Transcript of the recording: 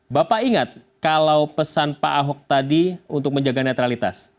bapak ingat kalau pesan pak ahok tadi untuk menjaga netralitas